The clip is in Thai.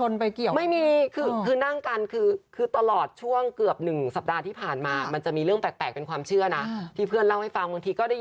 แล้วทุกคนก็ตกใจมากเข้าไปดู